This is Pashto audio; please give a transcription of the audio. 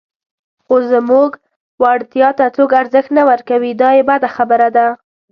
خو زموږ وړتیا ته څوک ارزښت نه ورکوي، دا یې بده خبره ده.